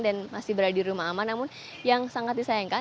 dan masih berada di rumah aman namun yang sangat disayangkan